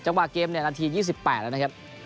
จังหวะเกมนั้นนาที๒๘แล้วนะครับ